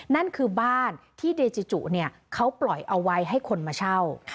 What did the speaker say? นั่นคือบ้านที่เดจิจุเขาปล่อยเอาไว้ให้คนมาเช่า